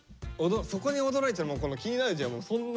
そこに驚いちゃこの「気になるＪ」はそんな。